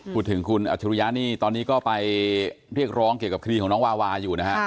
พูดถึงคุณอัจฉริยะนี่ตอนนี้ก็ไปเรียกร้องเกี่ยวกับคดีของน้องวาวาอยู่นะฮะ